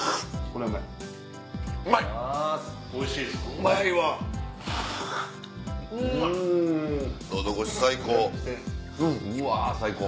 うわ最高！